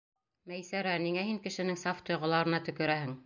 Мәйсәрә, ниңә һин кешенең саф тойғоларына төкөрәһең?